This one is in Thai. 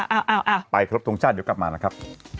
เอาไปครบทรงชาติเดี๋ยวกลับมานะครับ